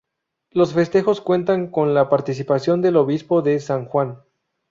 Los festejos cuentan con la participación del Obispo de San Juan.